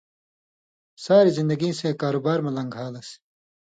ساریۡ زِندگی سیں کاروبار مہ لن٘گھالس